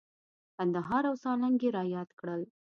کندهار او سالنګ یې را یاد کړل.